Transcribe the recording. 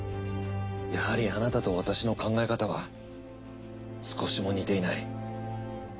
やはりあなたと私の考え方は少しも似ていない。